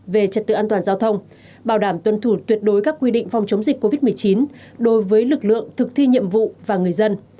về trật tự an toàn giao thông bảo đảm tuân thủ tuyệt đối các quy định phòng chống dịch covid một mươi chín đối với lực lượng thực thi nhiệm vụ và người dân